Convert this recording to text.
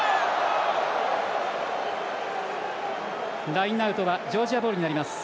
ラインアウトはジョージアボールになります。